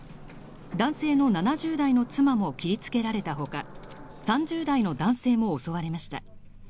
男性の７０代の妻も切りつけられたほか３０代の男性も襲われました。